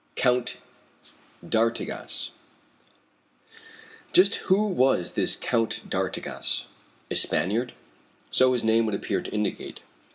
COUNT D'ARTIGAS. Just who was this Count d'Artigas? A Spaniard? So his name would appear to indicate.